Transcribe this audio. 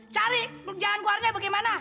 cari jalan keluarnya bagaimana